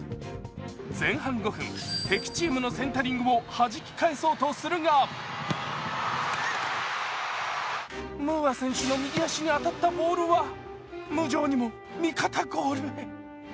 前半５分、敵チームのセンタリングをはじき返そうとするがムーア選手の右足に当たったボールは無情にも味方ゴールへ。